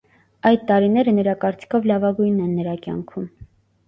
Այդ տարիները նրա կարծիքով լավագույնն են նրա կյանքում։